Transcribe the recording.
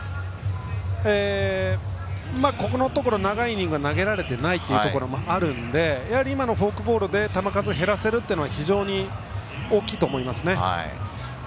このところ長いイニングを投げられていないというところもあるので、やはり今のフォークボールで球数を減らせるというのは非常に大きいと思います。